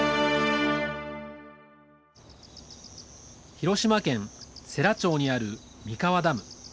広島県世羅町にある三川ダム。